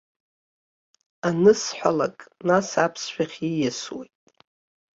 Анысҳәалак, нас аԥсшәахь ииасуеит.